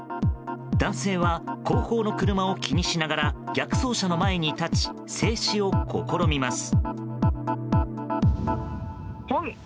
男性は、後方の車を気にしながら逆走車の前に立ち制止を試みます。